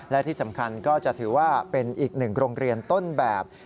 และที่สำคัญก็จะถือว่าเป็นอีกหนึ่งโรงเรียนต้นแบบ